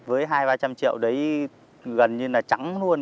với hai ba trăm linh triệu đấy gần như là trắng luôn